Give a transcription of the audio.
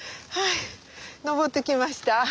はい登ってきました。